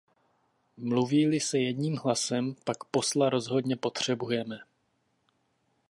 Mluví-li se jedním hlasem, pak posla rozhodně potřebujeme.